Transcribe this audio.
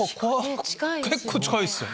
結構近いっすね。